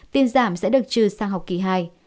tiền giảm sẽ được trừ sang học kỳ hai